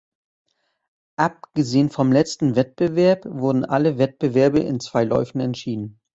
Abgesehen vom letzten Wettbewerb wurden alle Wettbewerbe in zwei Läufen entschieden.